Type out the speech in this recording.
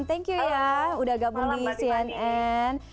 thank you ya udah gabung di cnn